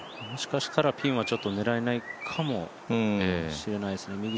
もしかしたら、ピンは狙えないかもしれないですね。